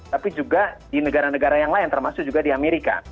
tapi juga di negara negara yang lain termasuk juga di amerika